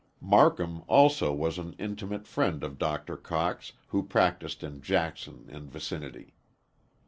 Marcum also was an intimate friend of Dr. Cox, who practised in Jackson and vicinity.